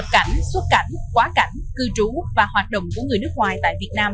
khoảng tháng một mươi một năm hai nghìn hai mươi hai